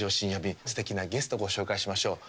便すてきなゲストご紹介しましょう。